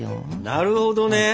なるほどね。